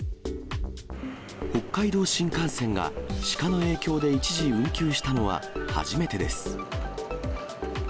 北海道新幹線が鹿の影響で一時運休したのは初めてです。